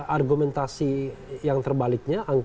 argumentasi yang terbaliknya